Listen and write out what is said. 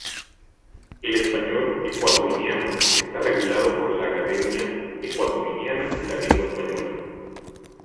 El español ecuatoguineano está regulado por la Academia Ecuatoguineana de la Lengua Española.